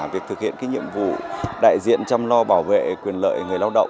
việc thực hiện nhiệm vụ đại diện chăm lo bảo vệ quyền lợi người lao động